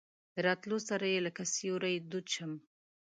د راتلو سره یې لکه سیوری دود شم.